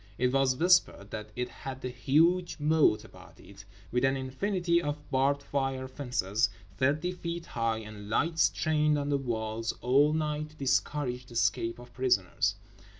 It was whispered that it had a huge moat about it, with an infinity of barbed wire fences thirty feet high, and lights trained on the walls all night to discourage the escape of prisoners.